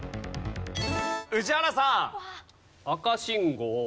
宇治原さん。